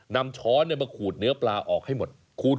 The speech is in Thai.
ช้อนมาขูดเนื้อปลาออกให้หมด